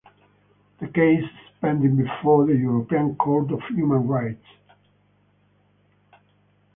The case is pending before the European Court of Human Rights.